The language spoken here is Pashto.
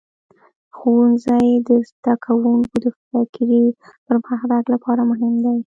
ښوونځی د زده کوونکو د فکري پرمختګ لپاره مهم دی.